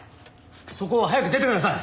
そこを早く出てください！